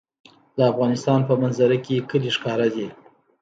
د افغانستان په منظره کې کلي ښکاره ده.